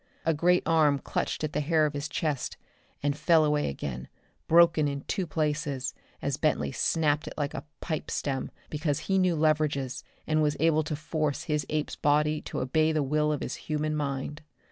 A great arm clutched at the hair of his chest and fell away again, broken in two places, as Bentley snapped it like a pipe stem because he knew leverages and was able to force his ape's body to obey the will of his human mind.